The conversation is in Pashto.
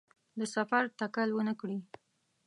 د سفر تکل ونکړي.